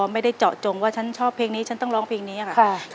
ไม่ได้เจาะจงว่าฉันชอบเพลงนี้ฉันต้องร้องเพลงนี้ค่ะ